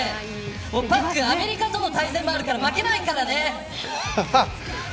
パックン、アメリカとの対戦もあるから、負けないからね。